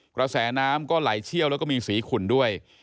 กระแสน้ำก็ไหลเชี่ยวแล้วก็มีสีขุ่นด้วย